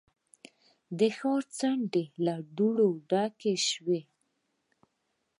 د ښار څنډې له دوړو ډکې شوې.